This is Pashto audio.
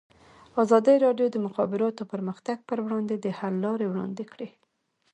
ازادي راډیو د د مخابراتو پرمختګ پر وړاندې د حل لارې وړاندې کړي.